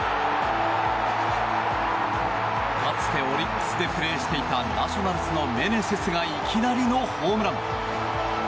かつてオリックスでプレーしていたナショナルズのメネセスがいきなりのホームラン。